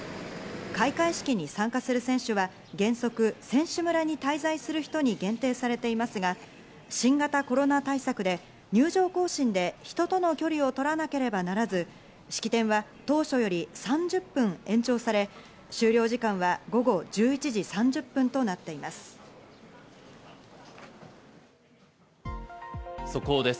開会式に参加する選手は原則、選手村に滞在する人に限定されていますが、新型コロナ対策で入場行進で人との距離を取らなければならず、式典は当初より３０分延長され、終了時間は午後１１時３０分となっています。